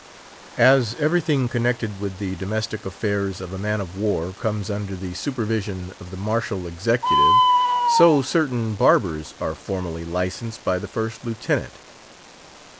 As everything connected with the domestic affairs of a man of war comes under the supervision of the martial executive, so certain barbers are formally licensed by the First Lieutenant.